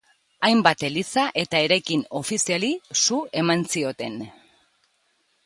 Hainbat eliza eta eraikin ofiziali su eman zioten.